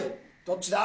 どっちだ？